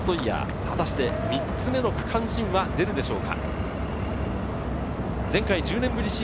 果たして３つ目の区間新は出るでしょうか。